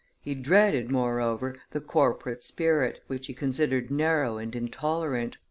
He dreaded, moreover, the corporate spirit, which he considered narrow and intolerant.